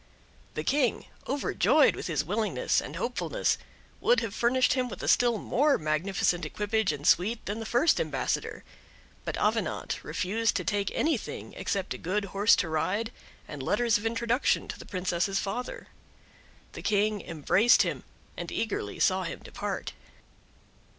The King, overjoyed with his willingness and hopefulness would have furnished him with a still more magnificent equipage and suite than the first ambassador but Avenant refused to take anything except a good horse to ride, and letters of introduction to the Princess's father. The King embraced him and eagerly saw him depart.